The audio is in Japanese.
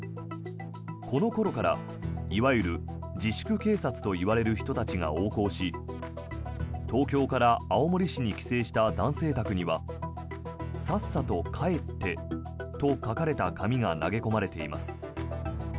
この頃からいわゆる自粛警察といわれる人たちが横行し東京から青森市に帰省した男性宅にはさっさと帰ってと書かれた紙が投げ込まれています。